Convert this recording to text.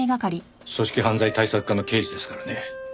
組織犯罪対策課の刑事ですからね。